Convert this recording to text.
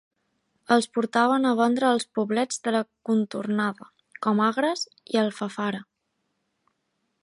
Els portaven a vendre als poblets de la contornada, com Agres i Alfafara.